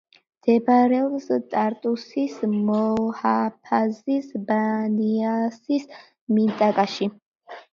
მდებარეობს ტარტუსის მუჰაფაზის ბანიასის მინტაკაში.